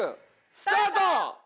スタート！